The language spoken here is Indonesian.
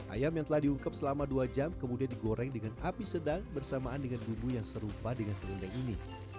ayam yang telah diungkep selama dua jam kemudian digoreng dengan api sedang bersamaan dengan bumbu yang serupa dengan serundeng ini